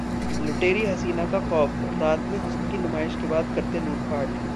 लुटेरी हसीना का खौफ, रात में हुस्न की नुमाइश के बाद करते लूटपाट